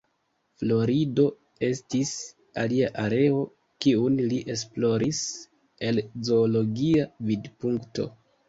Florido estis alia areo kiun li esploris el zoologia vidpunkto.